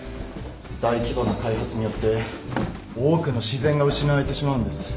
大規模な開発によって多くの自然が失われてしまうんです。